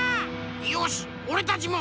よしおれたちも！